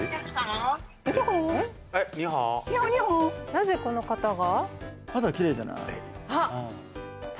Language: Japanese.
なぜこの方が？